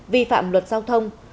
vi phạm luật giao thông